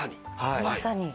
まさに。